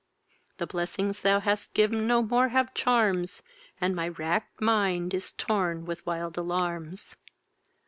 The blessings thou hast giv'n no more have charms And my rack'd mind is torn with wild alarms.